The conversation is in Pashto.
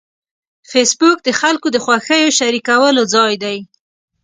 فېسبوک د خلکو د خوښیو شریکولو ځای دی